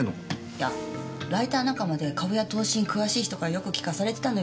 いやライター仲間で株や投資に詳しい人からよく聞かされてたのよ。